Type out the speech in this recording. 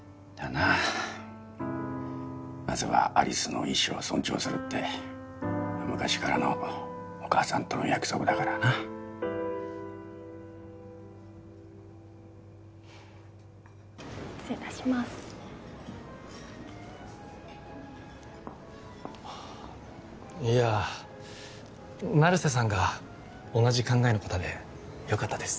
なまずは有栖の意思を尊重するって昔からのお母さんとの約束だからな失礼いたしますいや成瀬さんが同じ考えの方でよかったです